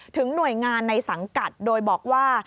ถึงหน่วยงานในสังกัดโดยบอกว่า